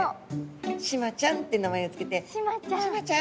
シマちゃんって名前を付けて「シマちゃん」。